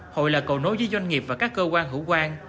hội là cầu nối với doanh nghiệp và các cơ quan hữu quan